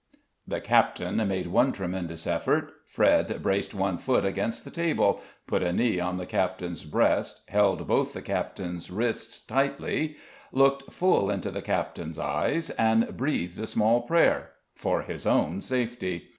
The captain made one tremendous effort; Fred braced one foot against the table, put a knee on the captain's breast, held both the captain's wrists tightly, looked full into the captain's eyes, and breathed a small prayer for his own safety.